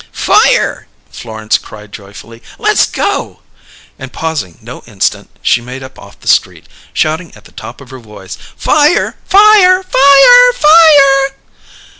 "Fire!" Florence cried joyfully. "Let's go!" And, pausing no instant, she made off up the street, shouting at the top of her voice: "_Fire! Fire! Fire! Fire!